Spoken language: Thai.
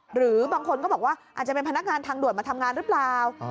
หรือบางคนก็บอกว่าอาจจะเป็นพนักงานทางด่วนมาทำงานหรือเปล่า